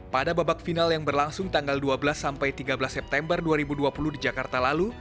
pada babak final yang berlangsung tanggal dua belas sampai tiga belas september dua ribu dua puluh di jakarta lalu